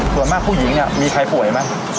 ส่วนมากผู้หญิงมีใครป่วยไหม